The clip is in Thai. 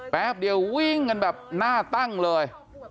แป๊บเดียววิ่งกันแบบหน้าตั้งเลย